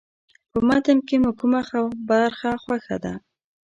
په متن کې مو کومه برخه خوښه ده.